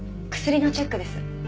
薬のチェックです。